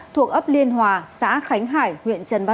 thuộc ấp liên hòa xã khánh hà